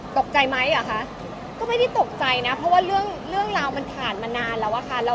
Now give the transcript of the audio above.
ตกใจไหมเหรอคะก็ไม่ได้ตกใจนะเพราะว่าเรื่องราวมันผ่านมานานแล้วอะค่ะ